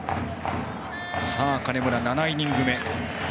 金村、７イニング目。